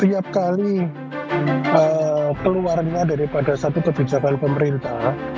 ini keluarnya dari satu kebijakan pemerintah